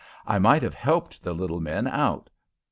I might have helped the little men out.